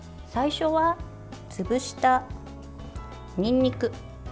最初は潰したにんにく